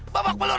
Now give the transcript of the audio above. bukan yang mukulin